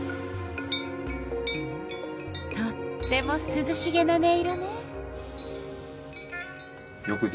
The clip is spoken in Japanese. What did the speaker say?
とってもすずしげな音色ね。